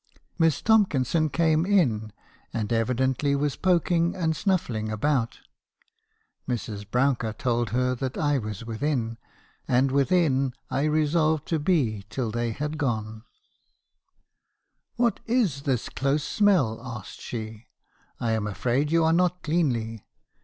MissTomkinson came in, and evidently was poking and snuffing about. (Mrs. Brouncker told her that I was within ; and within I resolved to be till they had gone.) 286 ant. hakrison's confessions. lu What is this close smell?' asked she. 'I am afraid you are not cleanly.